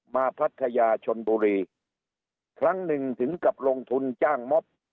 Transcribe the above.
พัทยาชนบุรีครั้งหนึ่งถึงกับลงทุนจ้างม็อบ